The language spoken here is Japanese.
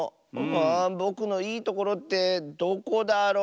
あぼくのいいところってどこだろ？